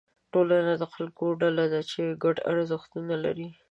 ټولنه د خلکو ډله ده چې ګډ ارزښتونه لري.